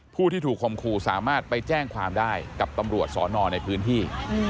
ผู้ที่ถูกคมคู่สามารถไปแจ้งความได้กับตำรวจสอนอในพื้นที่